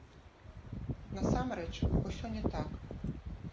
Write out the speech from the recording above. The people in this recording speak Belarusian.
Насамрэч, усё не так.